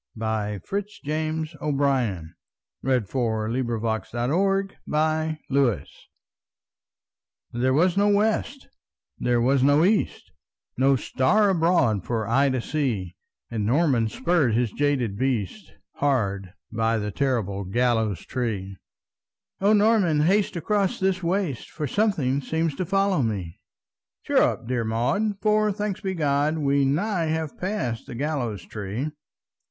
K L . M N . O P . Q R . S T . U V . W X . Y Z The Demon of the Gibbet THERE was no west, there was no east, No star abroad for eye to see; And Norman spurred his jaded beast Hard by the terrible gallows tree. "O Norman, haste across this waste For something seems to follow me!" "Cheer up, dear Maud, for, thanked be God, We nigh have passed the gallows tree!"